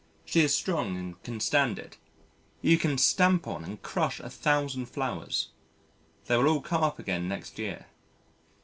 She is strong and can stand it. You can stamp on and crush a thousand flowers they will all come up again next year.